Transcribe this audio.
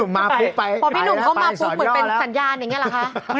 พอพี่หนุ่มเข้ามาปุ๊บเหมือนเป็นสัญญาณอย่างนี้เหรอคะ